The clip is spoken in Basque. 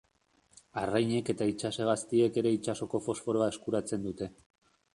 Arrainek eta itsas-hegaztiek ere itsasoko fosforoa eskuratzen dute.